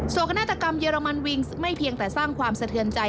กนาฏกรรมเรมันวิงส์ไม่เพียงแต่สร้างความสะเทือนใจ